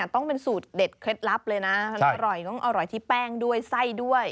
ต้องเป็นสูตรเด็ดเคล็ดลับเลยนะอร่อยที่แป้งด้วยไส้ด้วย